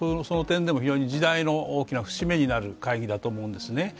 その点でも非常に時代の大きな節目になる会議だと思うんですね。